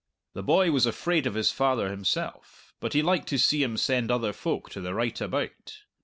The boy was afraid of his father himself, but he liked to see him send other folk to the right about.